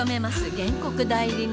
原告代理人？